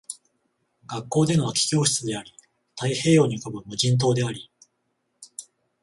学校での空き教室であり、太平洋に浮ぶ無人島であり